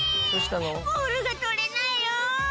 「ボールが取れないよ！」